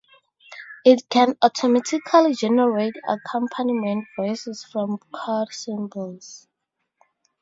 It can automatically generate accompaniment voices from chord symbols.